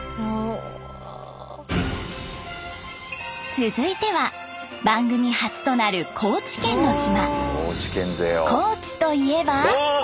続いては番組初となる高知県の島。